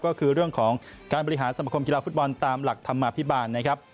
ก็คือเรื่องของการบริหารสมคมกีฬาฟุตบอลตามหลักธรรมาภิบาลนะครับ